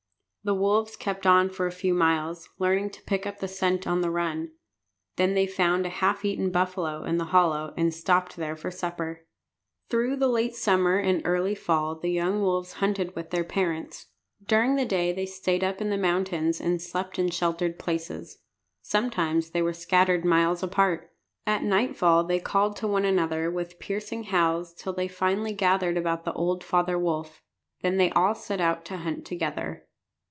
The wolves kept on for a few miles, learning to pick up the scent on the run. Then they found a half eaten buffalo in a hollow, and stopped there for supper. Through the late summer and early fall the young wolves hunted with their parents. During the day they stayed up in the mountains and slept in sheltered places. Sometimes they were scattered miles apart. At nightfall they called to one another with piercing howls, till they finally gathered about the old father wolf. Then they all set out to hunt together.